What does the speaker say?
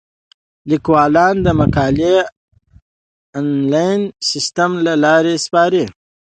لیکوالان مقالې د انلاین سیستم له لارې سپاري.